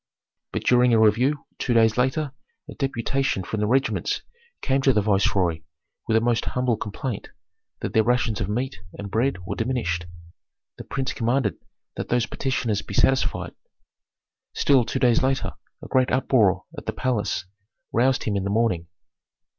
But during a review two days later a deputation from the regiments came to the viceroy with a most humble complaint, that their rations of meat and bread were diminished. The prince commanded that those petitioners be satisfied. Still, two days later a great uproar at the palace roused him in the morning.